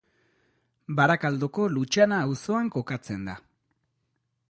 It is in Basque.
Barakaldoko Lutxana auzoan kokatzen da.